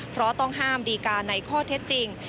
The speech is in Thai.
เพราะต้องห้ามดีการในข้อเท็จจริง